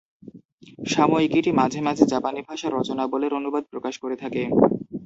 সাময়িকীটি মাঝে মাঝে জাপানি ভাষার রচনাবলির অনুবাদ প্রকাশ করে থাকে।